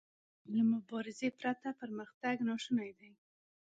له مبارزې پرته پرمختګ ناشونی دی.